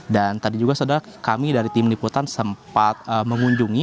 dan tadi juga saudara kami dari tim liputan sempat mengunjungi